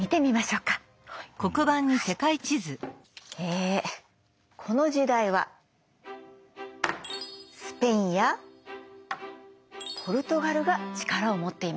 えこの時代はスペインやポルトガルが力を持っていました。